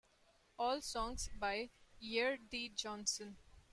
All songs by Eric D. Johnson.